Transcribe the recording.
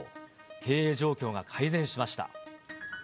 経営状況が改善しました。